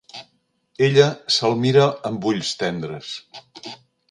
Ella se'l mira amb ulls tendres.